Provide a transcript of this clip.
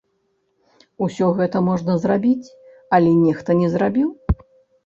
Усё гэта можна зрабіць, але нехта не зрабіў.